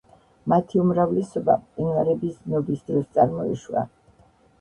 მათი უმრავლესობა მყინვარების დნობის დროს წარმოიშვა.